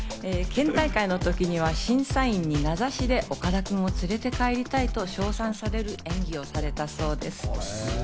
県大会の時には審査員に名指しで、岡田君を連れて帰りたいと称賛される演技をされたそうです。